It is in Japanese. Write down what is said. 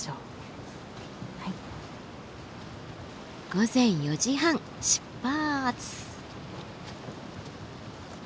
午前４時半出発。